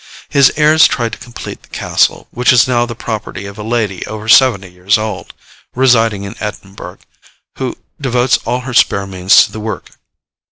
His heirs tried to complete the castle, which is now the property of a lady over seventy years old, residing in Edinburgh, who devotes all her spare means to the work.